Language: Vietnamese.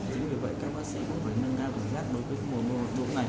chính vì vậy các bác sĩ cũng phải nâng cao cảm giác đối với mồ lụt này